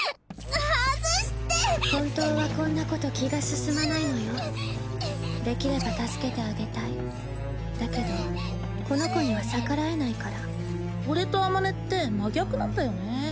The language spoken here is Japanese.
外して本当はこんなこと気が進まないのようっうっできれば助けてあげたいだけどこの子には逆らえないから俺と普って真逆なんだよね